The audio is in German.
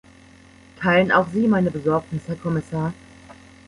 Teilen auch Sie meine Besorgnis, Herr Kommissar?